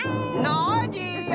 ノージーよ。